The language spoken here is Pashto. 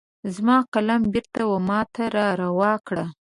زما قلم بیرته وماته را روا کړه